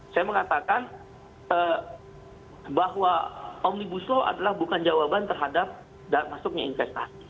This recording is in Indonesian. saya mengatakan bahwa omnibus law adalah bukan jawaban terhadap masuknya investasi